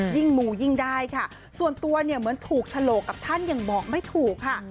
มูยิ่งได้ค่ะส่วนตัวเนี่ยเหมือนถูกฉลกกับท่านอย่างบอกไม่ถูกค่ะ